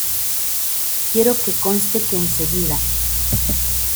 Quiero que conste que enseguida.